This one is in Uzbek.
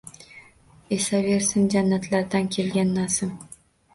Esaversin jannatlardan kelgan nasim